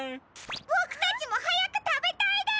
ボクたちもはやくたべたいです！